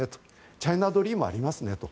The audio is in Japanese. チャイナドリームありますねと。